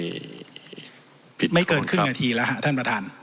ไม่เกินครึ่งนาทีแล้วฮะท่านประธาน